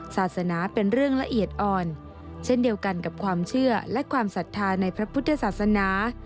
ศาสนาเป็นเรื่องละเอียดอ่อนเช่นเดียวกันกับความเชื่อและความศรัทธาในพระพุทธศาสนา